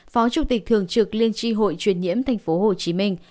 phó chủ tịch thường trực liên tri hội truyền nhiễm thành phố hồ chí minh